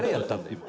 今。